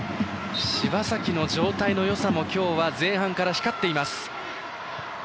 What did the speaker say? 柴崎の状態のよさも今日は前半から光っています。